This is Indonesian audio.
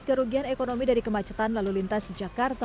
kerugian ekonomi dari kemacetan lalu lintas di jakarta